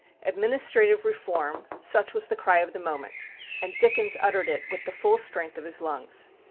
"Administrative Reform," such was the cry of the moment, and Dickens uttered it with the full strength of his lungs.